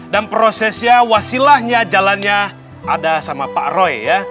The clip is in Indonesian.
dan prosesnya wasilahnya jalannya ada sama pak roy